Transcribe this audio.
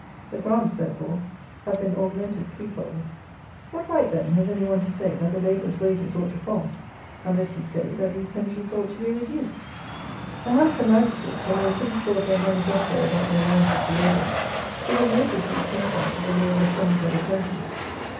The grants, therefore, have been augmented threefold. What right, then, has any one to say, that the labourers' wages ought to fall, unless he say, that these pensions ought to be reduced! The Hampshire Magistrates, when they were putting forth their manifesto about the allowances to labourers, should have noticed these pensions of the Lord Lieutenant of the County.